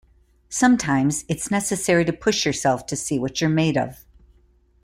Sometimes it's necessary to push yourself to see what you are made of.